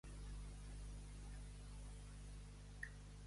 Estam, estam i no llana.